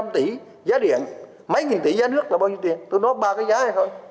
một mươi một năm trăm linh tỷ giá điện mấy nghìn tỷ giá nước là bao nhiêu tiền tôi nói ba cái giá này thôi